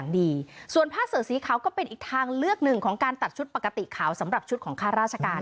งาช้างอะเนอะของคุณพิธานะ